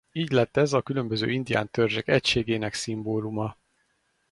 Így lett ez a különböző indián törzsek egységének szimbóluma.